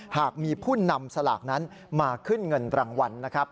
หากมีผู้นำสลากนั้นมาขึ้นเงินรางวัลนะครับ